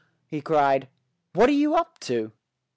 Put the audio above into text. he cried, "what are you up to?"